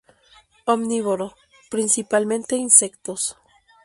Omnívoro, principalmente insectos.